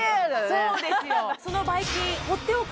そうですよ